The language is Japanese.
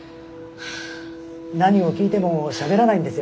何を聞いてもしゃべらないんですよ。